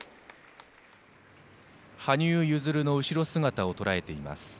羽生結弦の後ろ姿をとらえています。